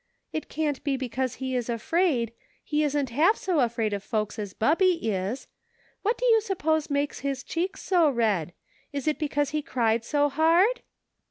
" It can't be because he is afraid ; he isn't half so afraid of folks as Bubby is. What do you suppose makes his cheeks so red ? Is it because he cried so hard